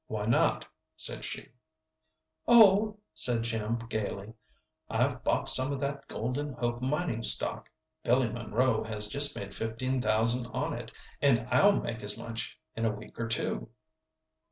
"Why not?" said she. "Oh," said Jim, gayly, "I've bought some of that 'Golden Hope' mining stock. Billy Monroe has just made fifteen thousand on it, and I'll make as much in a week or two."